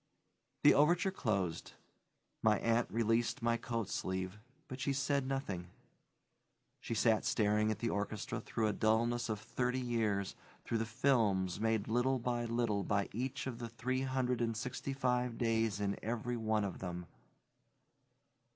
The overture closed; my aunt released my coat sleeve, but she said nothing. She sat staring at the orchestra through a dullness of thirty years, through the films made little by little by each of the three hundred and sixty five days in every one of them.